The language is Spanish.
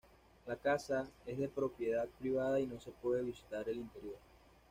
La casa es de propiedad privada y no se puede visitar el interior.